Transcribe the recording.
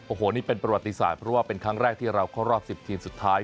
โอ้โหนี่เป็นประวัติศาสตร์เพราะว่าเป็นครั้งแรกที่เราเข้ารอบ๑๐ทีมสุดท้าย